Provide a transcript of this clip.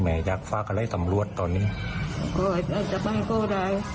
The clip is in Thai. แม่อยากให้ติดต่อล๊อคมาใช่ไหม